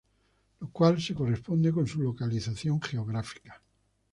Lo cual se corresponde con su localización geográfica.